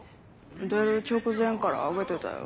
出る直前から上げてたよ。